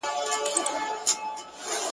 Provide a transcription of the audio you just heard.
• په لېمو کي راته وایي زما پوښتلي جوابونه,